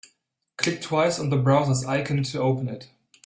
Click twice on the browser's icon to open it.